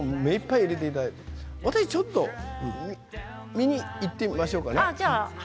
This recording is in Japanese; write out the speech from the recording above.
ちょっと見に行ってみましょうかね。